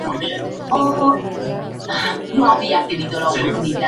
The synagogue was hard-hit by the Great Depression.